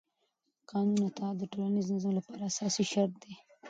د قانون اطاعت د ټولنیز نظم لپاره اساسي شرط دی